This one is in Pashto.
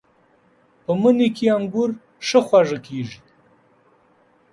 په مني کې انګور ښه خواږه کېږي.